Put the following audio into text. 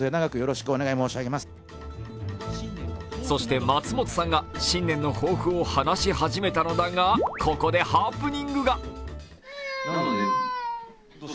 そして松本さんが新年の抱負を話し始めたのだが、ここでハプニングが。